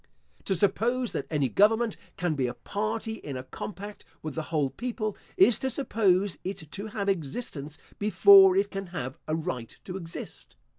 To suppose that any government can be a party in a compact with the whole people, is to suppose it to have existence before it can have a right to exist.